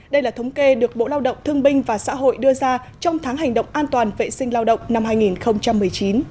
đây là thống kê được bộ lao động thương binh và xã hội đưa ra trong tháng hành động an toàn vệ sinh lao động năm hai nghìn một mươi chín